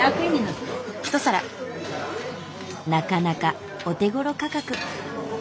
なかなかお手ごろ価格。